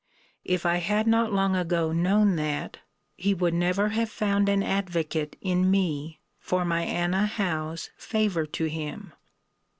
If I had not long ago known that, he would never have found an advocate in me for my Anna Howe's favour to him.